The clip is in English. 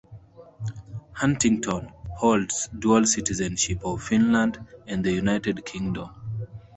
Huntington holds dual citizenship of Finland and the United Kingdom.